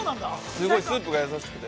すごいスープが優しくて。